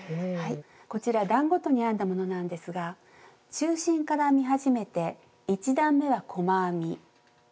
こちら段ごとに編んだものなんですが中心から編み始めて１段めは細編み。